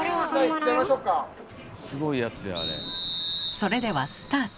それではスタート。